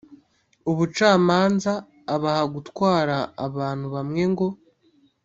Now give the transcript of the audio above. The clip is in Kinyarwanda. ubucamanza abaha gutwara abantu bamwe ngo